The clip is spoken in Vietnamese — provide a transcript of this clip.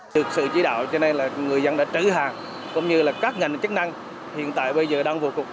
được sự chỉ đạo cho nên là người dân đã trữ hàng cũng như là các ngành chức năng hiện tại bây giờ đang vô cục